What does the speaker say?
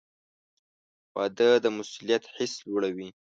• واده د مسؤلیت حس لوړوي.